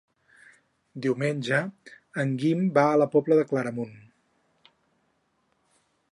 Diumenge en Guim va a la Pobla de Claramunt.